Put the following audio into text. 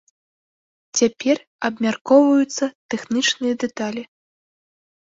Цяпер абмяркоўваюцца тэхнічныя дэталі.